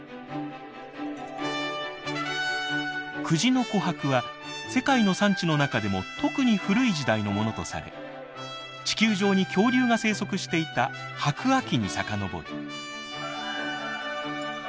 久慈の琥珀は世界の産地の中でも特に古い時代のものとされ地球上に恐竜が生息していた白亜紀に遡る。